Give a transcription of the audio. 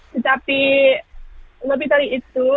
tetapi lebih dari itu